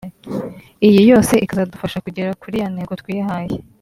iyi yose ikazadufasha kugera kuri ya ntego twihaye